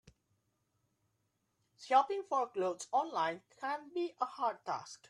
Shopping for clothes online can be a hard task.